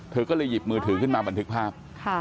เธอก็เลยหยิบมือถือขึ้นมาบันทึกภาพ